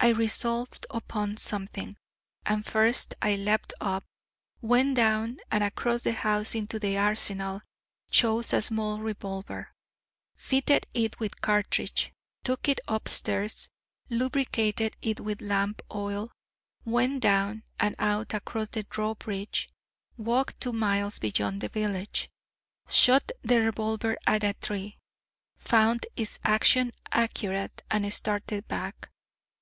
I resolved upon something: and first I leapt up, went down and across the house into the arsenal, chose a small revolver, fitted it with cartridge, took it up stairs, lubricated it with lamp oil, went down and out across the drawbridge, walked two miles beyond the village, shot the revolver at a tree, found its action accurate, and started back.